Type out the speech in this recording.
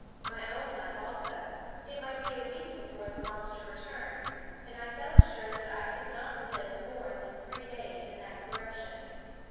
My own life also it might be a week before the monster returned; and I felt sure that I could not live more than three days in that corruption.